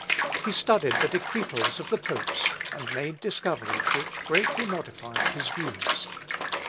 He studied the Decretals of the popes, and made discoveries which greatly modified his views.